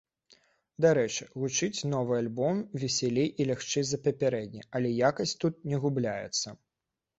Дарэчы, гучыць новы альбом весялей і лягчэй за папярэдні, але якасць тут не губляецца.